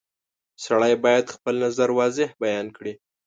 • سړی باید خپل نظر واضح بیان کړي.